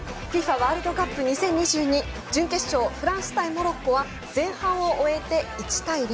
ワールドカップ２０２２、準決勝はフランス対モロッコは前半を終えて１対０。